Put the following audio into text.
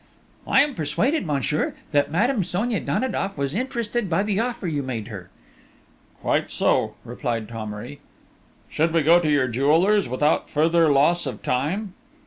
"I am persuaded, monsieur, that Madame Sonia Danidoff was interested by the offer you made her?" "Quite so," replied Thomery.... "Should we go to your jeweller's, without further loss of time?"